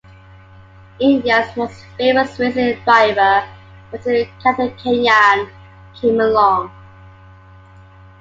India's most famous racing driver until Karthikeyan came along.